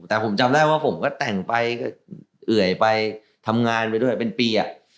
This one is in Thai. แต่ผมจำได้ว่าผมก็แต่งไปเอื่อยไปทำงานไปด้วยเป็นปี